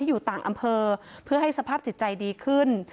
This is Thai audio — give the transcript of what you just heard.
อยู่ต่างอำเภอเพื่อให้สภาพจิตใจดีขึ้น